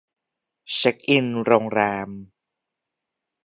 เช็กอินโรงแรม